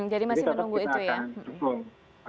jadi masih menunggu itu ya